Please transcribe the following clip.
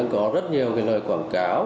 có rất nhiều cái nơi quảng cáo